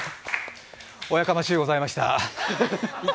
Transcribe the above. おやかましゅうございました。